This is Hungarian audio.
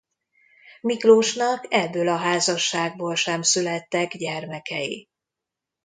Miklósnak ebből a házasságból sem születtek gyermekei.